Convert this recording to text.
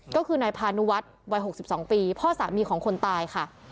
ก็คือนายพานุวัฒน์วัย๖๒ปีพ่อสามีของคนตายค่ะ